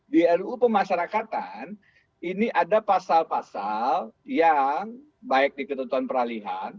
di ruu pemasarakatan ini ada pasal pasal yang baik di ketentuan peralihan